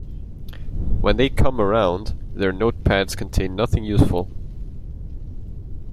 When they come around, their notepads contain nothing useful.